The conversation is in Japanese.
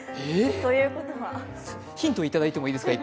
ヒントいただいてもいいですか？